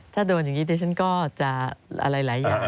ถ้าโดนแบบนี้เดชน์ก็จะถามหลายอย่าง